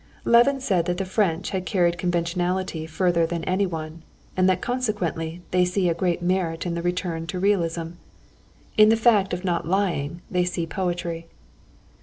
Levin said that the French had carried conventionality further than anyone, and that consequently they see a great merit in the return to realism. In the fact of not lying they see poetry.